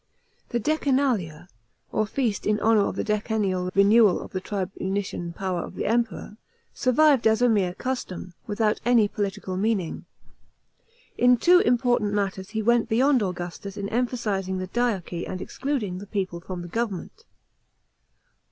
The decen nalia, or feast in honour of the decennial renewal of the tribuni cian power of the Emperor, survived as a mere custom, without any political meaning. In two important matters he went beyond Augustus in emphasising the dyarchy and excluding the people from the government.